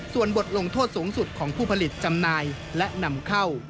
ส่วนบทลงโทษสูงสุดของผู้ผลิตจำหน่ายและนำเข้า